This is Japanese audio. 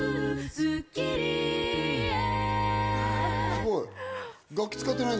すごい！